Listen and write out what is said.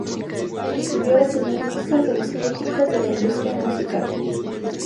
Recibió reseñas mixtas de los críticos de la industria musical.